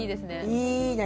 いいね。